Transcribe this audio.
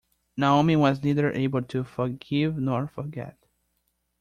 Naomi was neither able to forgive nor forget.